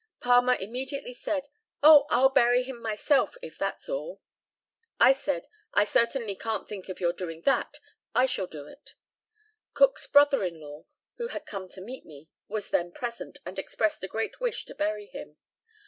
Palmer immediately said, "Oh! I'll bury him myself, if that's all." I said, "I certainly can't think of your doing that; I shall do it." Cook's brother in law, who had come to meet me, was then present, and expressed a great wish to bury him.